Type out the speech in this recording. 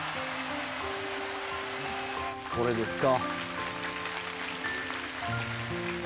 これですか。